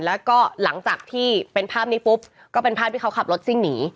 แล้วก็หลังจากที่เป็นภาพนี้ปุ๊บก็เป็นภาพที่เขาขับรถซิ่งหนี